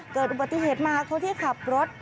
เกิดอุบัติเหตุมาคนที่ขับรถ